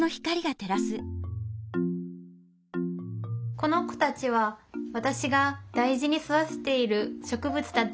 この子たちは私が大事に育てている植物たち。